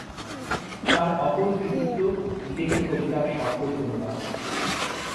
তার অপর কৃতিত্ব বিদেশী কবিতার সফল অনুবাদ।